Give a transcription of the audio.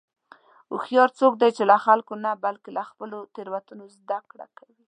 هوښیار څوک دی چې له خلکو نه، بلکې له خپلو تېروتنو زدهکړه کوي.